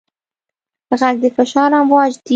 غږ د فشار امواج دي.